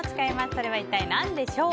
それは一体何でしょう？